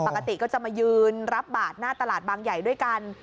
ปกติก็จะมายืนรับบาทหน้าตลาดบางใหญ่ด้วยกัน